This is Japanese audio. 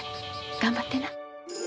頑張ってな。